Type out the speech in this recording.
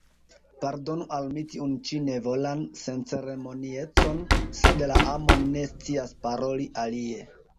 Pardonu al mi tiun ĉi nevolan senceremoniecon, sed la amo ne scias paroli alie.